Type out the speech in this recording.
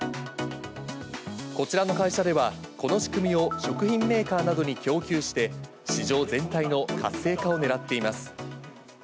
こちらの会社では、この仕組みを食品メーカーなどに供給して、市場全体の活性化をねらっています。